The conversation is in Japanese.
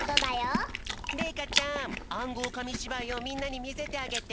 れいかちゃんあんごうかみしばいをみんなにみせてあげて。